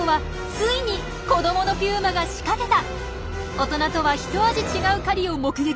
大人とは一味違う狩りを目撃！